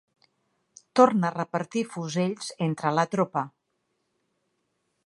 Torna a repartir fusells entre la tropa.